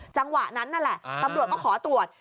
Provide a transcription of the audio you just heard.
จังหวะนั้นนั่นแหละตำรวจก็ขอตรวจ